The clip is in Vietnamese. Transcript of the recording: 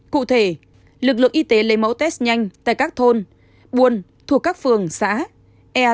cụ thể lực lượng y tế lấy mẫu test nhanh tại các thôn buôn thuộc các phường xã